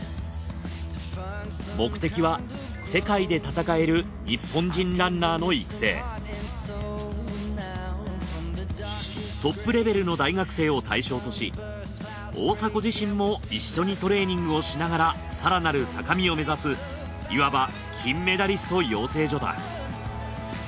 目的は世界で戦える日本人ランナーの育成トップレベルの大学生を対象とし大迫自身も一緒にトレーニングをしながら更なる高みを目指すいわば金メダリスト養成所だ